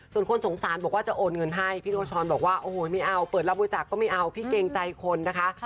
ส่วนคนสงสารบอกว่าจะโอนเงินให้พี่โทชรบอกว่าโอ้โหไม่เอาเปิดรับบริจาคก็ไม่เอาพี่เกรงใจคนนะคะ